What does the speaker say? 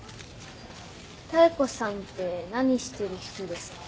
妙子さんって何してる人ですか？